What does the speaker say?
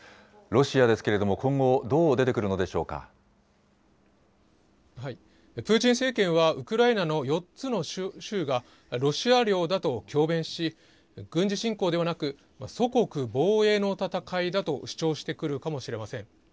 ロシアですけれども、今後、どうプーチン政権は、ウクライナの４つの州がロシア領だと強弁し、軍事侵攻ではなく、祖国防衛の戦いだと主張してくるかもしれません。